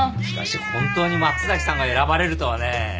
しかし本当に松崎さんが選ばれるとはね。